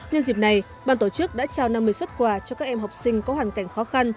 nhân dịp này ban tổ chức đã trao năm mươi xuất quà cho các em học sinh có hoàn cảnh khó khăn